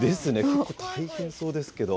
結構大変そうですけど。